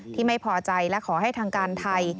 ที่ไม่พอใจและขอให้ทางการไทย